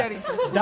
誰？